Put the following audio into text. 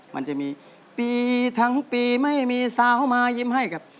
มันจะมีปีทั้งปีไม่มีสาวเข้ามายิ้มให้กับ